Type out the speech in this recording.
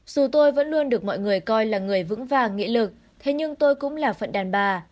dù tôi vẫn luôn được mọi người coi là người vững vàng nghị lực thế nhưng tôi cũng là phận đàn bà